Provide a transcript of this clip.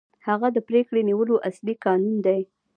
هغه د پرېکړې نیولو اصلي کانون دی.